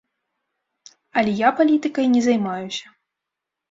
Але я палітыкай не займаюся.